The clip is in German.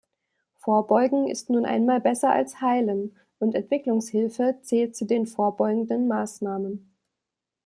Vorbeugen ist nun einmal besser als heilen, und Entwicklungshilfe zählt zu den vorbeugenden Maßnahmen.